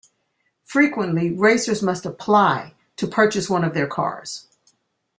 Frequently racers must apply to purchase one of these cars.